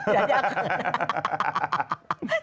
อย่างนี้